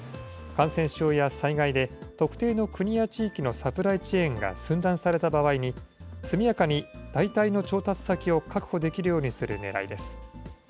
感染症や災害で、特定の国や地域のサプライチェーンが寸断された場合に、速やかに代替の調達先を確保できるようにするねらいです。